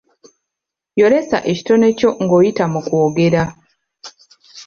Yolesa ekitone kyo ng'oyita mu kwogera.